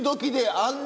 あんな